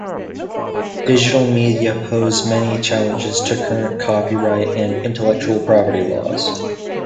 Digital media pose many challenges to current copyright and intellectual property laws.